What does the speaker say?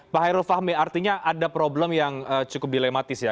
pak hairul fahmi artinya ada problem yang cukup dilematis ya